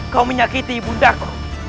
kau menyakiti bundaku